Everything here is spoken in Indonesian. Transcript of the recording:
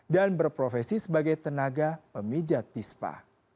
dan berprofesi sebagai tenaga pemijat tispa